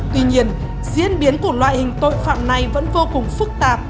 tuy nhiên diễn biến của loại hình tội phạm này vẫn vô cùng phức tạp